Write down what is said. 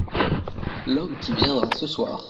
L’homme qui viendra ce soir.